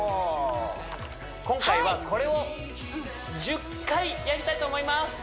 今回はこれを１０回やりたいと思います